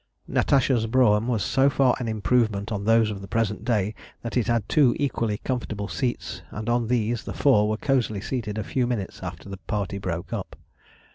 Natasha's brougham was so far an improvement on those of the present day that it had two equally comfortable seats, and on these the four were cosily seated a few minutes after the party broke up.